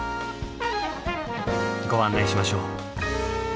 ご案内しましょう。